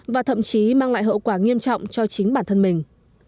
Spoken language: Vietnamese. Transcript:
và thậm chí mang lại hậu quả nghiêm trọng cho chính bản thân mình